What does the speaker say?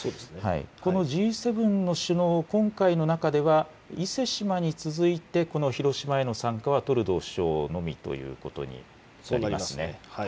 このＧ７の首脳、今回の中では伊勢志摩に続いてこの広島への参加はトルドー首相のなりますね。